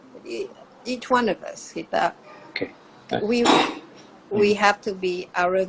jadi setiap kita harus menjadi pemerintah sendiri ya